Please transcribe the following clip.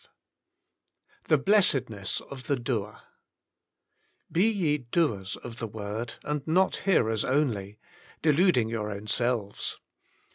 X THE BLESSEDNESS OF THE DOEE *' Be ye doers of the word, and not hearers only, deluding your own selves.